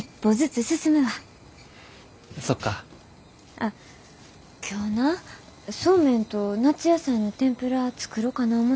あっ今日なそうめんと夏野菜の天ぷら作ろかな思てんねんけど。